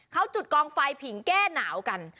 เขาจุดกองไฟผิงแก้หนาวกัน